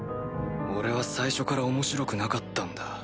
俺は最初から面白くなかったんだ。